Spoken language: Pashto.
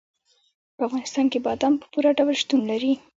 په افغانستان کې بادام په پوره ډول شتون لري.